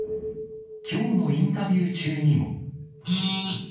きょうのインタビュー中にも。